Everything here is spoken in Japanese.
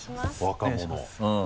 若者。